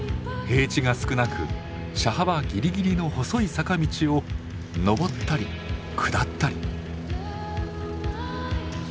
平地が少なく車幅ぎりぎりの細い坂道をのぼったり下ったり。